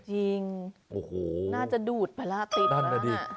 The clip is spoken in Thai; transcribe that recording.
จริงโอ้โหน่าจะดูดไปแล้วติดไปแล้วน่ะ